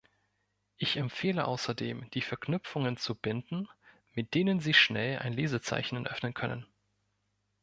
Ich empfehle außerdem, die Verknüpfungen zu binden, mit denen Sie schnell ein Lesezeichen öffnen können.